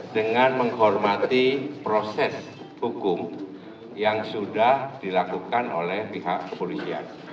dengan menghormati proses hukum yang sudah dilakukan oleh pihak kepolisian